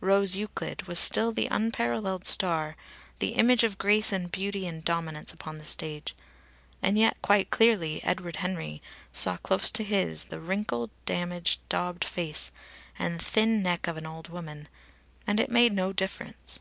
Rose Euclid was still the unparalleled star, the image of grace and beauty and dominance upon the stage. And yet quite clearly Edward Henry saw close to his the wrinkled, damaged, daubed face and thin neck of an old woman; and it made no difference.